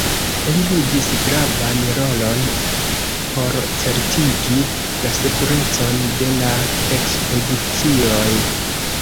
Li ludis gravan rolon por certigi la sekurecon de la ekspedicioj.